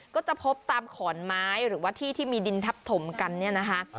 ก็จะพบตามขอนไม้หรือว่าที่ที่มีดินทับถมกันเนี่ยนะคะ